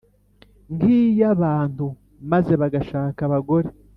Nk iy abantu maze bagashaka abagore